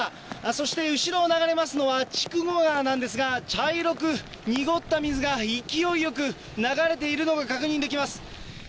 そして後ろを流れますのはちくご川なんですが、茶色く濁った水が勢いよく流れているのが確認できます。